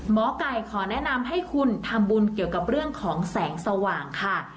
หมอไก่ขอแนะนำให้คุณทำบุญเกี่ยวกับเรื่องของแสงสว่างค่ะ